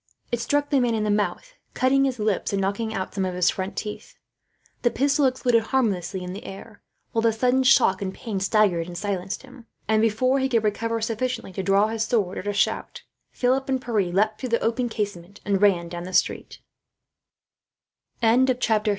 It struck the man in the mouth, cutting his lips and knocking out some of his front teeth. The pistol exploded harmlessly in the air, while the sudden shock and pain staggered and silenced him; and before he could recover sufficiently to draw his sword or to shout, Philip and Pierre leaped through the open casement, and ran down the street.